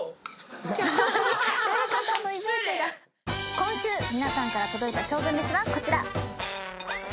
今週皆さんから届いた勝負めしはこちら。